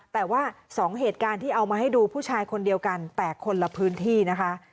แต่ว่าสองเหตุการณ์ที่เอามาให้ดูผู้ชายคนเดียวกันแต่คนละพื้นที่นะคะ